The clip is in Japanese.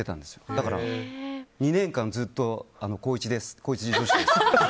だから２年間ずっと高１女子ですって。